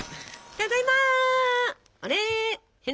ただいま！